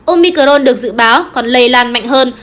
omicron được dự báo còn lây lan mạnh hơn